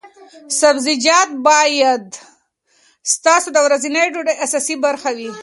سبزیجات باید ستاسو د ورځنۍ ډوډۍ اساسي برخه وي.